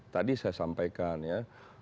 tadi saya sampaikan ya